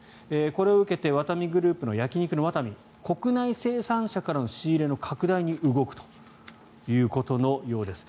これを受けてワタミグループの焼肉の和民国内生産者からの仕入れの拡大に動くということのようです。